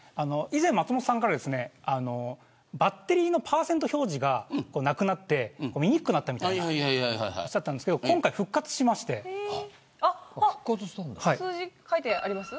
以前、松本さんからバッテリーのパーセント表示がなくなって見にくくなったとおっしゃっていたんですけど数字、書いてあります。